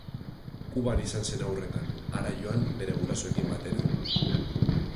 Kuban izan zen haurretan, hara joan bere gurasoekin batera.